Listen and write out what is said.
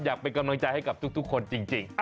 อยากเป็นกำลังใจให้กับทุกคนจริง